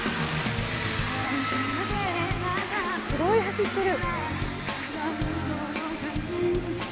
すごい走ってる。